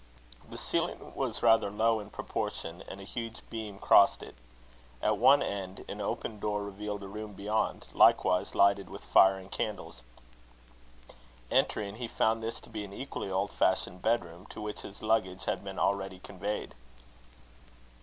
The ceiling was rather low in proportion, and a huge beam crossed it. At one end, an open door revealed a room beyond, likewise lighted with fire and candles. Entering, he found this to be an equally old fashioned bedroom, to which his luggage had been already conveyed.